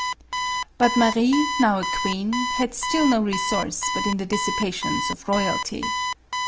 But Marie, now a queen, had still no resource but in the dissipations of royalty.